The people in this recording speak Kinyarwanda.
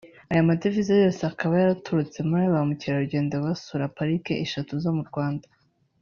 Ayo madevize yose akaba yaraturutse muri ba mukerarugendo basura parike eshatu zo mu Rwanda